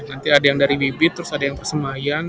nanti ada yang dari bibit terus ada yang kesemayan